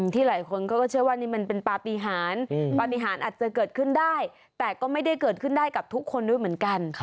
หลายคนก็เชื่อว่านี่มันเป็นปฏิหารปฏิหารอาจจะเกิดขึ้นได้แต่ก็ไม่ได้เกิดขึ้นได้กับทุกคนด้วยเหมือนกัน